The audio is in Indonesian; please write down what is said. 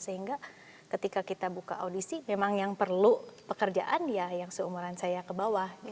sehingga ketika kita buka audisi memang yang perlu pekerjaan ya yang seumuran saya ke bawah